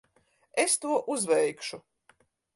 Es to uzveikšu.